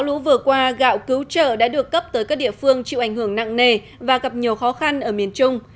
trong mưa lũ vừa qua gạo cứu trợ đã được cấp tới các địa phương chịu ảnh hưởng nặng nề và gặp nhiều khó khăn ở miền trung